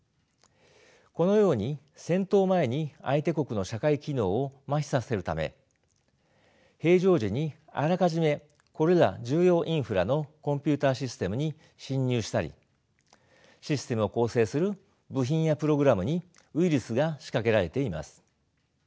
このように戦闘前に相手国の社会機能を麻痺させるため平常時にあらかじめこれら重要インフラのコンピューターシステムに侵入したりシステムを構成する部品やプログラムにウイルスが仕掛けられています。